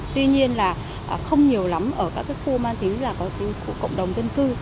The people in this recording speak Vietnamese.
tuy nhiên là không nhiều lắm ở các khu man tính là của cộng đồng dân cư